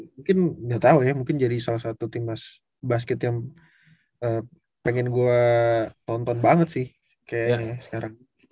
mungkin gak tahu ya mungkin jadi salah satu tim nas basket yang pengen gue nonton banget sih kayaknya sekarang